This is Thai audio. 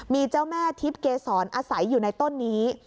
มีเจ้าแม่ทิพย์เกษรอาศัยอยู่ในต้นนี้